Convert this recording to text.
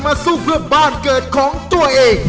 สู้เพื่อบ้านเกิดของตัวเอง